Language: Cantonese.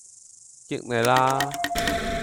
益你啦